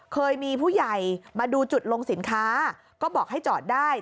เคยมีผู้ใหญ่มาดูจุดลงสินค้าก็บอกให้จอดได้